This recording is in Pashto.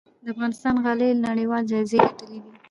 د افغانستان غالۍ نړیوال جایزې ګټلي دي